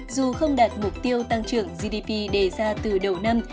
dù không đạt mục tiêu tăng trưởng gdp đề ra từ đầu năm